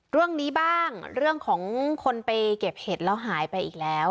เรื่องนี้บ้างเรื่องของคนไปเก็บเห็ดแล้วหายไปอีกแล้ว